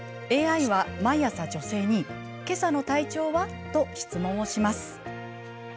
ＡＩは毎朝、女性にけさの体調は？と質問をします。